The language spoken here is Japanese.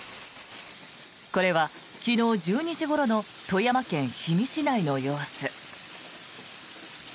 これは昨日１２時ごろの富山県氷見市内の様子。